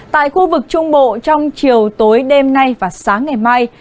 tại khu vực trung bộ trong chiều tối đêm nay và sáng ngày mai